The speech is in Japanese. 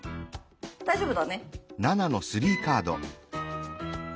大丈夫だね。